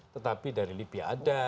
tetapi dari lipi ada